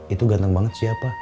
itu ganteng banget siapa